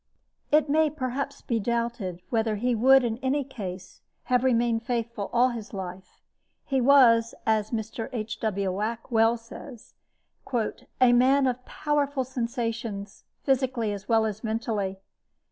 It may perhaps be doubted whether he would in any case have remained faithful all his life. He was, as Mr. H.W. Wack well says, "a man of powerful sensations, physically as well as mentally.